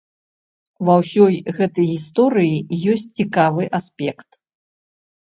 Ва ўсёй гэтай гісторыі ёсць цікавы аспект.